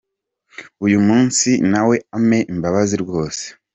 Uyu munsi na we ampe imbabazi rwose.